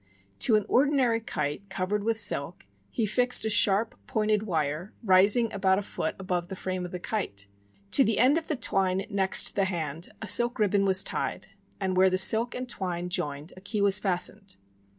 To an ordinary kite covered with silk he fixed a sharp, pointed wire, rising about a foot above the frame of the kite. To the end of the twine next the hand a silk ribbon was tied; and where the silk and twine joined a key was fastened.